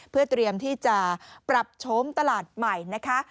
เพื่อเตรียมที่จะปรับโฉมตลาดใหม่นะคะ